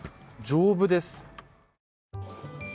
丈夫です。